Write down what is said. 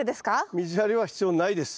水やりは必要ないです。